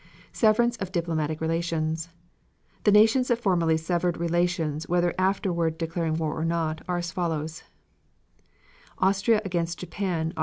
SEVERANCE OF DIPLOMATIC RELATIONS The Nations that formally severed relations whether afterward declaring war or not, are as follows: Austria against Japan, Aug.